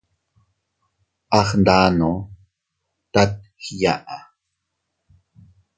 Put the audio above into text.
A gndano tat iyaʼa.